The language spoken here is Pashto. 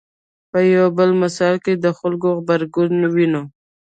په یو بل مثال کې د خلکو غبرګون وینو.